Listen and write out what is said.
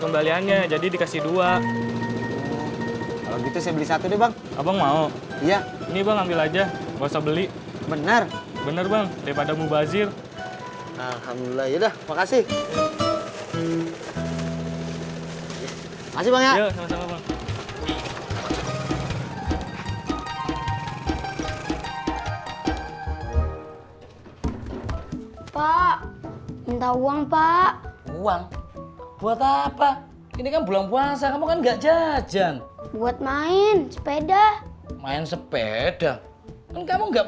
buat nyewa sepedanya temen